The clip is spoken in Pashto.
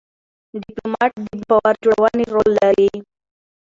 ډيپلومات د باور جوړونې رول لري.